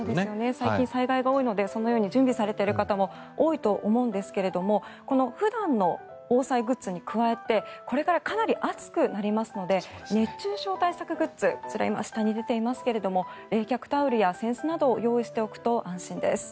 最近、災害が多いのでそのように準備をされている方も多いと思うんですがこの普段の防災グッズに加えてこれからかなり暑くなりますので熱中症対策グッズ下に今、出ていますけれども冷却タオルや扇子などを用意しておくと安心です。